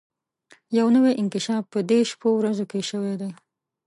يو نوی انکشاف په دې شپو ورځو کې شوی دی.